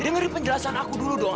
dengar di penjelasan aku dulu dong